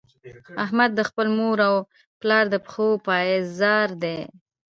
احمد د خپل مور او پلار د پښو پایزار دی.